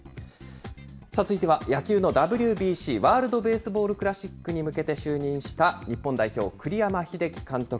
続いては野球のＷＢＣ・ワールドベースボールクラシックに向けて就任した日本代表、栗山英樹監督。